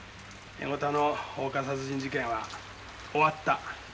江古田の放火殺人事件は終わった。